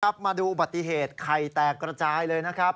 มาดูอุบัติเหตุไข่แตกกระจายเลยนะครับ